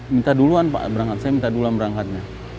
minta duluan pak berangkat saya minta duluan berangkatnya